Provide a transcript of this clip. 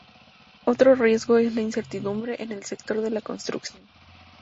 Otro riesgo es la incertidumbre en el sector de la construcción.